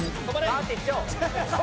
バーッていっちゃおう。